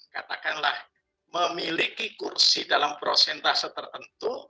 katakanlah memiliki kursi dalam prosentase tertentu